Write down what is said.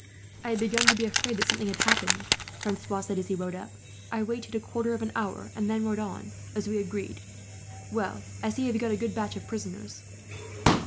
"I had begun to be afraid that something had happened," Francois said, as he rode up. "I waited a quarter of an hour and then rode on, as we agreed. "Well, I see you have got a good batch of prisoners."